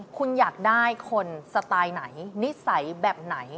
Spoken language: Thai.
คุณอยากได้คนสไตล์ไหนนิสัยแบบไหน